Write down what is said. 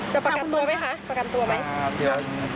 ประกันตัวไหมคะประกันตัวไหม